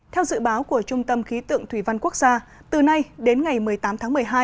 theo dự báo của trung tâm khí tượng thủy văn quốc gia từ nay đến ngày một mươi tám tháng một mươi hai